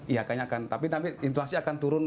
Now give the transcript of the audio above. iya tapi inflasi akan turun